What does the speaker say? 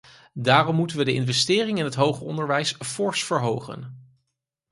Daarom moeten we de investering in het hoger onderwijs fors verhogen.